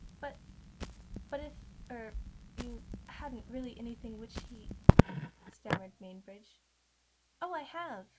"But but if er you haven't really anything which he " stammered Mainbridge. "Oh, I have!